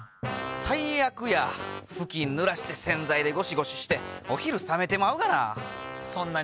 最悪やふきんぬらして洗剤でゴシゴシしてお昼冷めてまうがな。